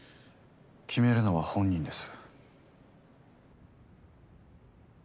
決めるのは本人です。